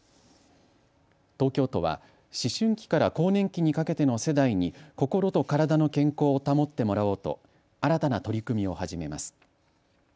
東京都は思春期から更年期にかけての世代に心と体の健康を保ってもらおうと新たな取り組みを始めます。